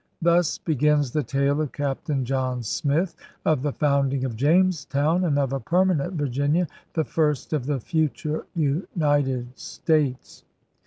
Thus begins the tale of Captain John Smith, of the founding of Jamestown, and of a permanent Virginia, the first of the future United States.